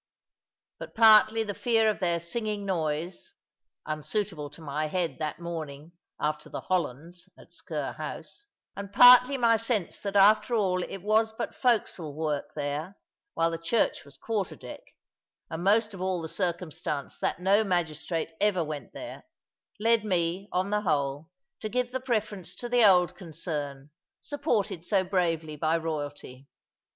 But partly the fear of their singing noise (unsuitable to my head that morning after the Hollands at Sker house), and partly my sense that after all it was but forecastle work there, while the church was quarter deck, and most of all the circumstance that no magistrate ever went there, led me, on the whole, to give the preference to the old concern, supported so bravely by royalty.